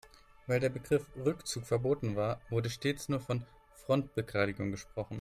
Weil der Begriff Rückzug verboten war, wurde stets nur von Frontbegradigung gesprochen.